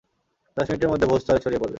দশ মিনিটের মধ্যে ভু-স্তরে ছড়িয়ে পড়বে।